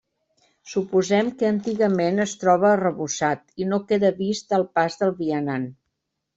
Suposem que antigament es troba arrebossat i no queda vist al pas del vianant.